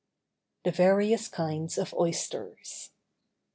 THE VARIOUS KINDS OF OYSTERS.